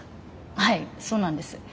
はいそうなんです。